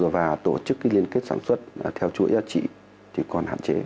và tổ chức liên kết sản xuất theo chuỗi giá trị thì còn hạn chế